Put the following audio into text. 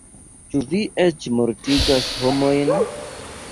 "Ĉu vi eĉ mortigas homojn?"